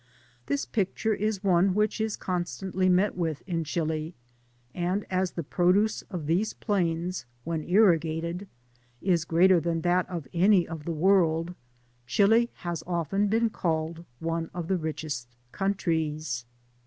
This pic ture is one which is constantly met with in Chili ; and as the produce of these plains, when irrigated, is greater than that of any other part of the world. Chili has often been called one of the richest countries.